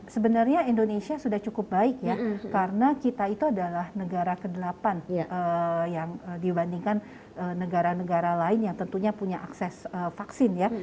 sebenarnya indonesia sudah cukup baik ya karena kita itu adalah negara ke delapan yang dibandingkan negara negara lain yang tentunya punya akses vaksin ya